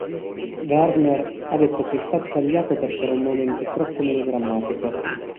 Gardner ha detto che è stato tagliato perché era un momento troppo melodrammatico.